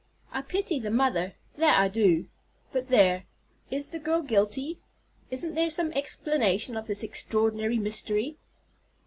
I pity the mother, that I do: but there, is the girl guilty? Isn't there some explanation of this extraordinary mystery?"